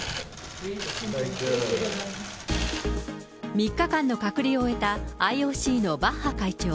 ３日間の隔離を終えたＩＯＣのバッハ会長。